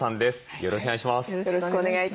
よろしくお願いします。